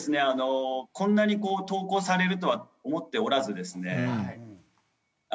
あのこんなに投稿されるとは思っておらずですね